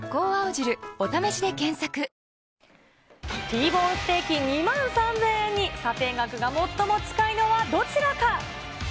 ティーボーンステーキ２万３０００円に、査定額が最も近いのはどちらか。